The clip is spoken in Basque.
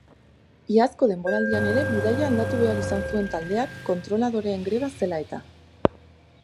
Iazko denboraldian ere bidaia aldatu behar izan zuen taldeak kontroladoreen greba zela eta.